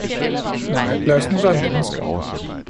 Nej, lad os nu være mennesker!